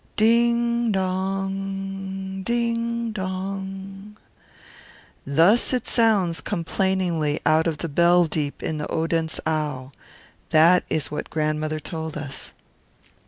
Ding dong! ding dong!" Thus it sounds complainingly out of the bell deep in the Odense Au. That is what grandmother told us.